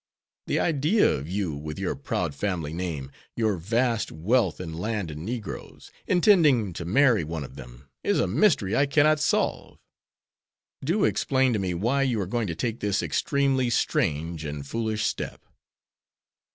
The idea of you, with your proud family name, your vast wealth in land and negroes, intending to marry one of them, is a mystery I cannot solve. Do explain to me why you are going to take this extremely strange and foolish step."